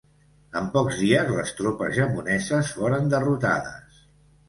En pocs dies, les tropes japoneses foren derrotades.